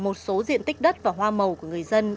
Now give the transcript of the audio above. một số diện tích đất và hoa màu của người dân